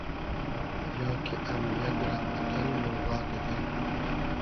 یا کی ام یئگ رۂ مئتئل مورغاگی دیل